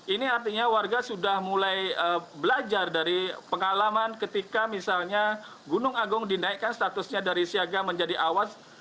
ini artinya warga sudah mulai belajar dari pengalaman ketika misalnya gunung agung dinaikkan statusnya dari siaga menjadi awas